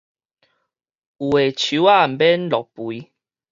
有的樹仔毋免落肥